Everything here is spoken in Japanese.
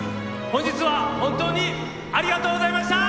本日は本当にありがとうございました！